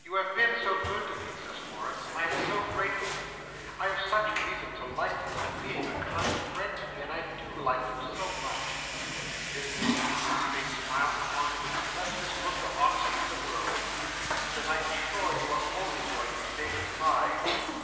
"You have been so good to me," says Florence, "I am so grateful to you, I have such reason to like you for being a kind friend to me, and I do like you so much;" and here the ingenuous face smiles upon him with the pleasantest look of honesty in the world; "that I am sure you are only going to say good bye!"